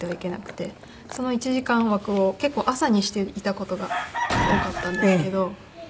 その１時間枠を結構朝にしていた事が多かったんですけど。